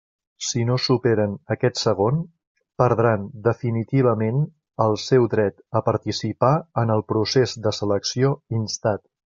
Si no superen aquest segon, perdran definitivament el seu dret a participar en el procés de selecció instat.